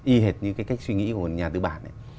y hệt như cái cách suy nghĩ của nhà tự bản